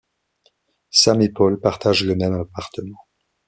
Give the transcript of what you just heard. Sam et Paul partagent le même appartement.